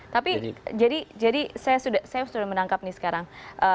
tapi saya sudah menangkap nih sekarang